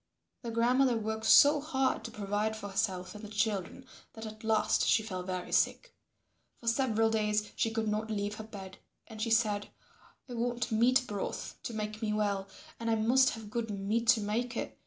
Their grandmother worked so hard to provide for herself and the children that at last she fell very sick. For several days she could not leave her bed. And she said, "I want meat broth to make me well and I must have good meat to make it.